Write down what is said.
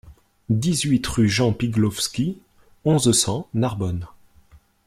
dix-huit rue Jean Piglowski, onze, cent, Narbonne